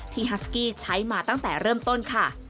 ฮัสกี้ใช้มาตั้งแต่เริ่มต้นค่ะ